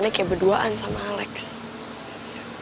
nggak ada yang bisa ngelakuin